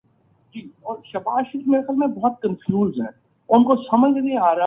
انہیں بات اچھی نہ لگی۔